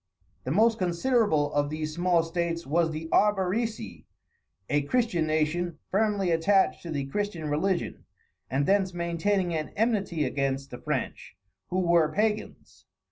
The most considerable of these small states was the Arborici, a Christian nation, firmly attached to the Christian religion, and thence maintaining an enmity against the French, who were pagans.